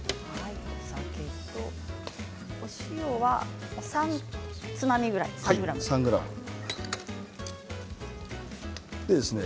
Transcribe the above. お塩は３つまみぐらいですね。